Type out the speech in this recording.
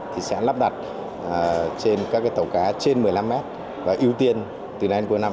thì sẽ lắp đặt trên các tàu cá trên một mươi năm mét và ưu tiên từ nay đến cuối năm